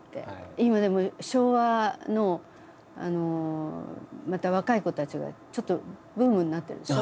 今でも昭和のあのまた若い子たちがちょっとブームになってるでしょ？